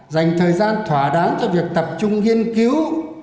dành thời gian thỏa đáng cho việc tập trung nghiên cứu